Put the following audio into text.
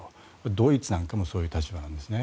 ドイツなんかもそういう立場なんですね。